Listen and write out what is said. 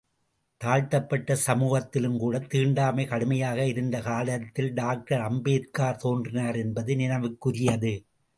தாழ்த்தப்பட்ட சமூகத்திலும் கூடத் தீண்டாமை கடுமையாக இருந்த காலத்தில் டாக்டர் அம்பேத்கார் தோன்றினார் என்பது நினைவுக்குரியது.